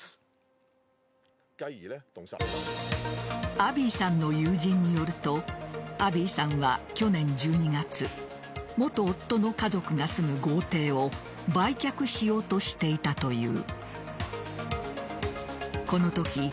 アビーさんの友人によるとアビーさんは去年１２月元夫の家族が住む豪邸を売却しようとしていたという。